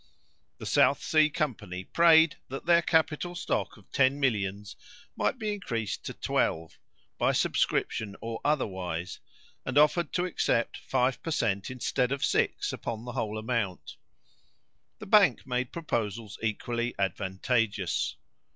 The South Sea Company prayed that their capital stock of ten millions might be increased to twelve, by subscription or otherwise, and offered to accept five per cent instead of six upon the whole amount. The bank made proposals equally advantageous.